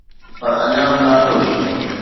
پر اڃا به ناخوش.